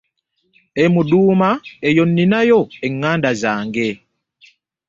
E Muduuma eyo nninayo eŋŋanda zange.